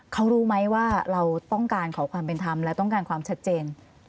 เขารู้ไหมว่าเราต้องการขอความเป็นธรรมและต้องการความชัดเจน